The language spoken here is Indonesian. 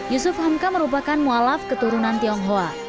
yusuf hamka merupakan mualaf ⁇ keturunan tionghoa